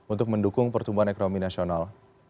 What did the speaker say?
untuk mendukung pertumbuhan ekonomi nasional